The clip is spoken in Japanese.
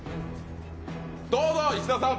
どうぞ、石田さん。